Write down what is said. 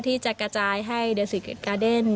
ที่สอนให้คนไทยนั้นดันเนินชีวิตด้วยความเป็นอยู่